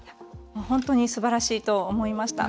本当にすばらしいと思いました。